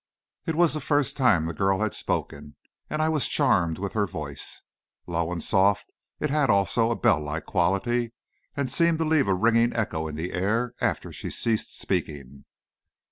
It was the first time the girl had spoken, and I was charmed with her voice. Low and soft, it had also a bell like quality, and seemed to leave a ringing echo in the air after she ceased speaking.